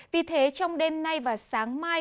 vì thế trong đêm nay và sáng mai